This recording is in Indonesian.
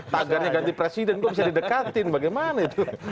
tagannya ganti presiden kok bisa didekatin bagaimana